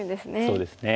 そうですね。